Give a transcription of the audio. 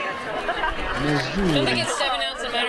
mezuri